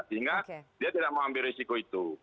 sehingga dia tidak mau ambil risiko itu